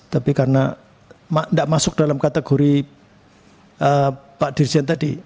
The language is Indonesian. tapi karena tidak masuk dalam kategori pak dirjen tadi